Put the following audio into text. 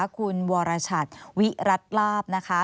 คุณวรชัดวิรัติลาบนะคะ